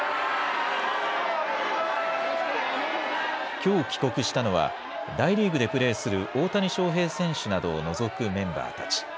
きょう帰国したのは、大リーグでプレーする大谷翔平選手などを除くメンバーたち。